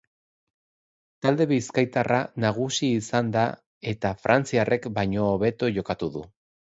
Talde bizkaitarra nagusi izan da eta frantziarrek baino hobeto jokatu du.